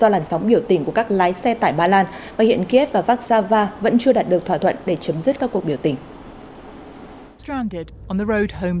do làn sóng biểu tình của các lái xe tải ba lan và hiện kiev và vassava vẫn chưa đạt được thỏa thuận để chấm dứt các cuộc biểu tình